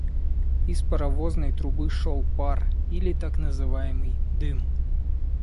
Из паровозной трубы шёл пар или, так называемый, дым.